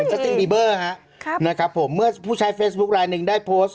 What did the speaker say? เหมือนฮะครับนะครับผมเมื่อผู้ใช้เฟซบุ๊คไลน์หนึ่งได้โพสต์